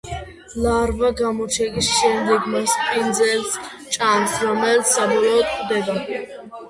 ლარვა გამოჩეკის შემდეგ მასპინძელს ჭამს, რომელიც საბოლოოდ კვდება.